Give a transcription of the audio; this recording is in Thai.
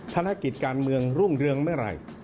ธนาคิดการเมืองรุ่งเรืองเมื่อไร